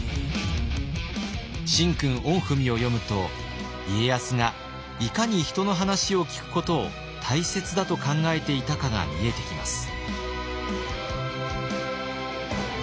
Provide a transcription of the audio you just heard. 「神君御文」を読むと家康がいかに人の話を聞くことを大切だと考えていたかが見えてきます。